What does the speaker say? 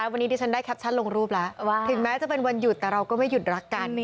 วันนี้ดิฉันได้แคปชั่นลงรูปแล้วถึงแม้จะเป็นวันหยุดแต่เราก็ไม่หยุดรักกัน